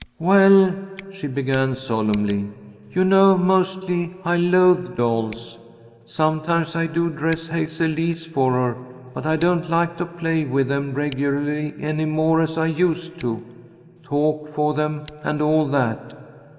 "Well," she began, solemnly, "you know mostly I loathe dolls. Sometimes I do dress Hazel Lee's for her, but I don't like to play with them regularly any more as I used to, talk for them and all that.